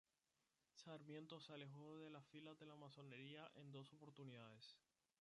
Sarmiento se alejó de las filas de la masonería en dos oportunidades.